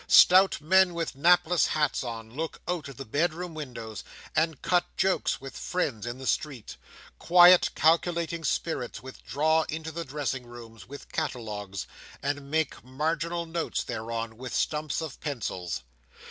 Stout men with napless hats on, look out of the bedroom windows, and cut jokes with friends in the street. Quiet, calculating spirits withdraw into the dressing rooms with catalogues, and make marginal notes thereon, with stumps of pencils.